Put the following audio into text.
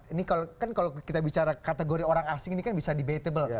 ini kan kalau kita bicara kategori orang asing ini kan bisa debatable